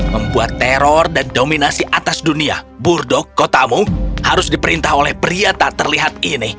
membuat teror dan dominasi atas dunia burdok kotamu harus diperintah oleh pria tak terlihat ini